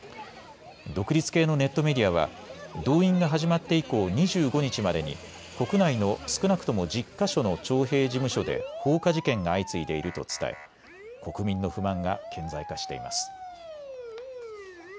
独立系のネットメディアは動員が始まって以降２５日までに国内の少なくとも１０か所の徴兵事務所で放火事件が相次いでいると伝え国民の不満が顕在化しています。